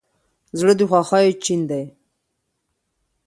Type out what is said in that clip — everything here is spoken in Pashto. زړه د خوښیو چین دی.